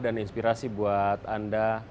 dan inspirasi buat anda